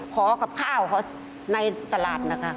ขอกับข้าวเขาในตลาดนะคะ